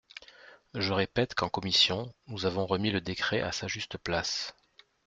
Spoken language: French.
Je répète qu’en commission, nous avons remis le décret à sa juste place.